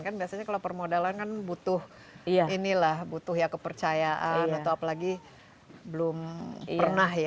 karena biasanya kalau permodalan kan butuh kepercayaan atau apalagi belum pernah ya